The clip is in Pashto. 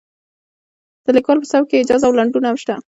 د لیکوال په سبک کې ایجاز او لنډون هم شته.